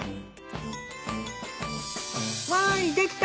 わいできた！